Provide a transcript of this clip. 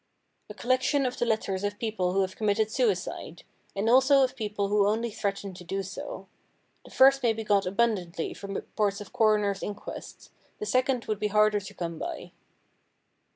A Collection of the letters of people who have committed suicide; and also of people who only threaten to do so. The first may be got abundantly from reports of coroners' inquests, the second would be harder to come by.